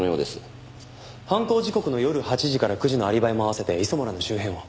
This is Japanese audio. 犯行時刻の夜８時から９時のアリバイも併せて磯村の周辺を。